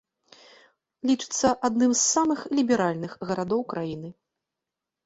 Лічыцца адным з самых ліберальных гарадоў краіны.